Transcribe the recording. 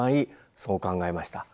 そう考えました。